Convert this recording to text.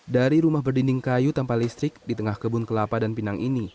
dari rumah berdinding kayu tanpa listrik di tengah kebun kelapa dan pinang ini